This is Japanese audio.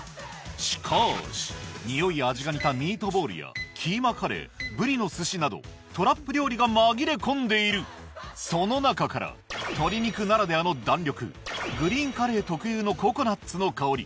しかし匂いや味が似たミートボールやキーマカレーぶりの寿司などトラップ料理が紛れ込んでいるその中から鶏肉ならではの弾力グリーンカレー特有のココナッツの香り